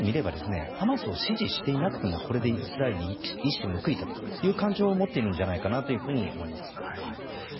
そういう人たちにとってみればハマスを支持していなくてもイスラエルに一矢報いたという感情を持っているんじゃないかと思います。